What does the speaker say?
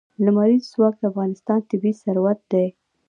لمریز ځواک د افغانستان طبعي ثروت دی.